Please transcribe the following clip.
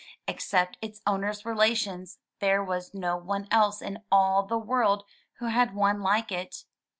Except its owner's relations, there was no one else in all the world who had one like it.